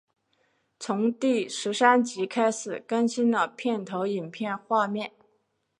从第十三集开始更新了片头影片画面。